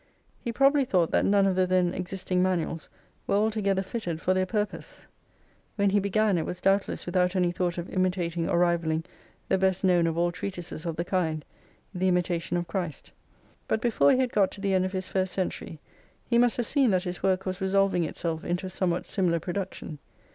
He probably thought that none of the then existing manuals were altogether fitted for their purpose. When he began it was doubtless without any thought of imitating or rivalling the best known of all treatises of the kind, "The Imitation of Christ :" but before he had got to the end of his first " Century " he must have seen that his work was resolving itself into a somewhat similar production.